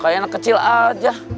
kaeyang kecil aja